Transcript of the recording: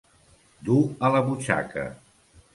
Dur a la butxaca.